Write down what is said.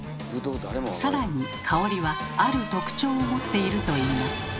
さらに香りはある特徴を持っているといいます。